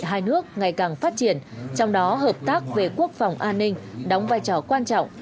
hai nước ngày càng phát triển trong đó hợp tác về quốc phòng an ninh đóng vai trò quan trọng